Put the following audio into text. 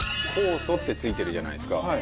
「酵素」って付いてるじゃないですか。